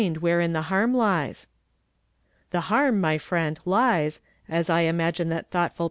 cd wherein the harm lies." "The harm, my friend, lies, as I imagine that thoughtful p